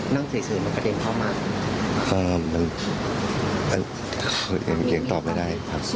นั่งเสริมเกรงตอบไม่ได้ครับ